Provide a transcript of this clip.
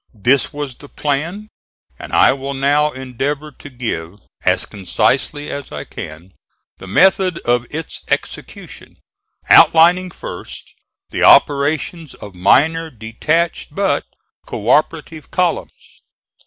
This was the plan; and I will now endeavor to give, as concisely as I can, the method of its execution, outlining first the operations of minor detached but co operative columns.